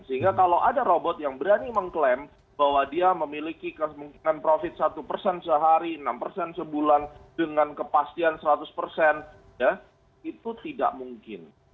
sehingga kalau ada robot yang berani mengklaim bahwa dia memiliki kemungkinan profit satu persen sehari enam persen sebulan dengan kepastian seratus persen itu tidak mungkin